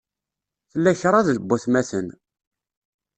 Tla kṛad n watmaten.